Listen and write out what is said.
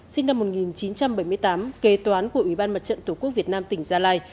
sinh năm một nghìn chín trăm bảy mươi tám kế toán của ủy ban mặt trận tổ quốc việt nam tỉnh gia lai